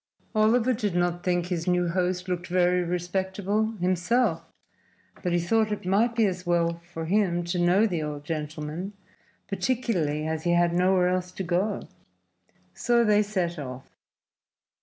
Oliver did not think his new host looked very respectable himself, but he thought it might be as well for him to know the old gentleman, particularly as he had nowhere else to go. So they set off.